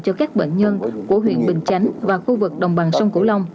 cho các bệnh nhân của huyện bình chánh và khu vực đồng bằng sông cửu long